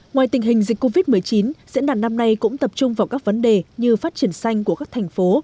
ngoài tình hình dịch covid một mươi chín diễn đàn năm nay cũng tập trung vào các vấn đề như phát triển xanh của các thành phố